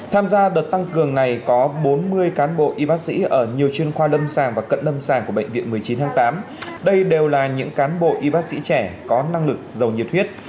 tham gia đợt tăng cường này có bốn mươi cán bộ y bác sĩ ở nhiều chuyên khoa lâm sàng và cận lâm sàng của bệnh viện một mươi chín tháng tám đây đều là những cán bộ y bác sĩ trẻ có năng lực giàu nhiệt huyết